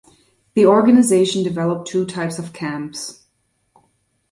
The organization developed two types of camps.